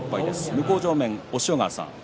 向正面の押尾川さん